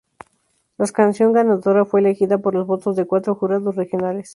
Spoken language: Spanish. La canción ganadora fue elegida por los votos de cuatro jurados regionales.